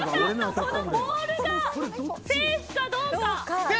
このボールがセーフかどうか。